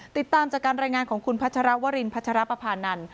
ติดตามจากการรายงานของคุณพัชรวรินพัชรปภานันทร์